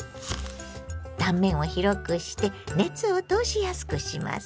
断面を広くして熱を通しやすくします。